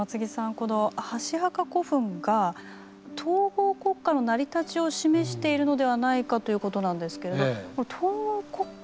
この箸墓古墳が統合国家の成り立ちを示しているのではないかということなんですけれどこの「統合国家」